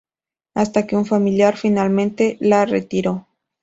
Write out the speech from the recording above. Hasta que un familiar finalmente la retiró.